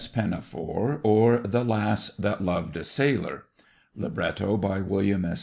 PINAFORE OR, THE LASS THAT LOVED A SAILOR Libretto by William S.